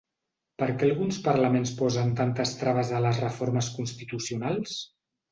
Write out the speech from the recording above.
Per què alguns parlaments posen tantes traves a les reformes constitucionals?